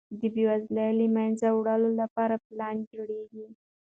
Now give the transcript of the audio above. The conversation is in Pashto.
د بېوزلۍ د له منځه وړلو لپاره پلان جوړیږي.